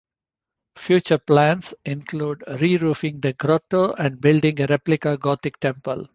Future plans include re-roofing the grotto and building a replica Gothic temple.